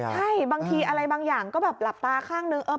ใช่บางทีอะไรบางอย่างก็แบบหลับตาข้างนึง